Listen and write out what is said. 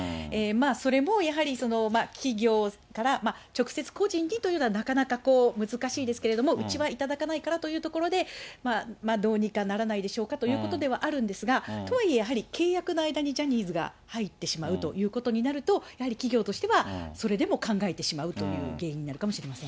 それもやはり企業から直接個人にというのは、なかなか難しいですけれども、うちは頂かないからというところで、どうにかならないでしょうかということではあるんですが、とはいえ、やはり契約の間にジャニーズが入ってしまうということになると、やはり企業としては、それでも考えてしまうという原因になるかもしれません。